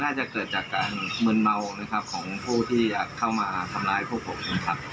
น่าจะเกิดจากการมืนเมาของผู้ที่เข้ามาทำร้ายพวกผม